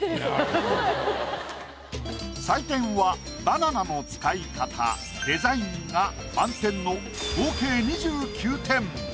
採点はバナナの使い方デザインが満点の合計２９点。